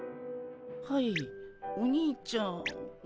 はいお兄ちゃん？